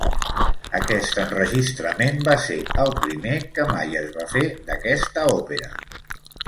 Aquest enregistrament va ser el primer que mai es va fer d'aquesta òpera.